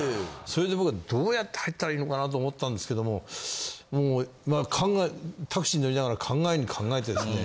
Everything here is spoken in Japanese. それで僕はどうやって入ったらいいのかなと思ったんですけどももうタクシーに乗りながら考えに考えてですね。